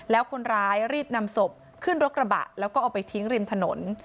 แล้วคนร้ายรีบนำศพขึ้นรถกระบะแล้วก็เอาไปทิ้งริมถนน